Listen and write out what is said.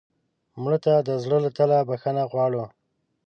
مړه ته د زړه له تله بښنه غواړو